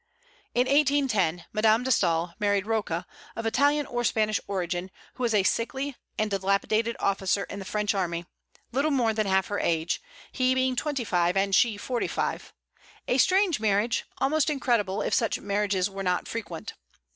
In 1810 Madame de Staël married Rocca, of Italian or Spanish origin, who was a sickly and dilapidated officer in the French army, little more than half her age, he being twenty five and she forty five, a strange marriage, almost incredible, if such marriages were not frequent.